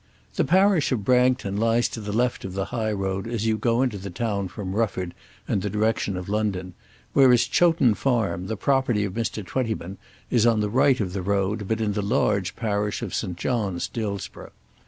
The parish of Bragton lies to the left of the high road as you go into the town from Rufford and the direction of London, whereas Chowton Farm, the property of Mr. Twentyman, is on the right of the road, but in the large parish of St. John's, Dillsborough.